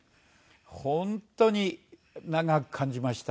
本当に長く感じました。